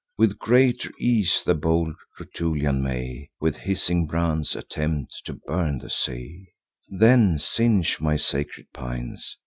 With greater ease the bold Rutulian may, With hissing brands, attempt to burn the sea, Than singe my sacred pines.